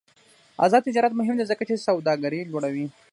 آزاد تجارت مهم دی ځکه چې سوداګري لوړوي.